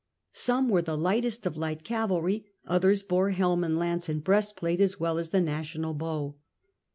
Some were the lightest of light cavalry ; others bore helm and lance and breastplate, as well as the national bow.